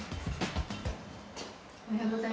おはようございます。